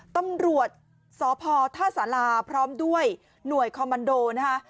ตำรวจสพท่าสาราพร้อมด้วยหน่วยคอมมันโดนะคะ